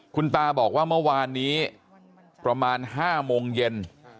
คุณตาบอกว่าเมื่อวานนี้ประมาณ๕โมงเย็น